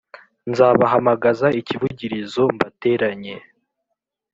Nzabahamagaza ikivugirizo mbateranye